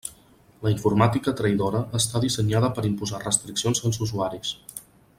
La informàtica traïdora està dissenyada per imposar restriccions als usuaris.